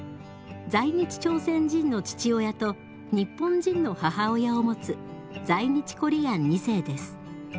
在日朝鮮人の父親と日本人の母親を持つ在日コリアン２世です。